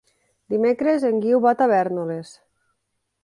Dimecres en Guiu va a Tavèrnoles.